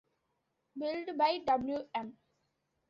Built by Wm.